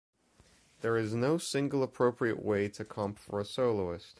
There is no single appropriate way to comp for a soloist.